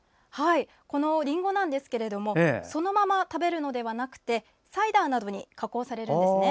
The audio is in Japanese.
このりんごなんですがそのまま食べるのではなくてサイダーなどに加工されるんです。